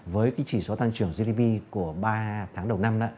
với chỉ số tăng trưởng gdp của ba tháng đầu năm